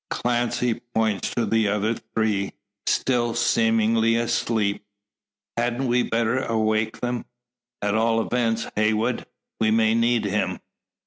Clancy points to the other three, still seemingly asleep. "Hadn't we better awake them? At all events, Heywood: we may need him."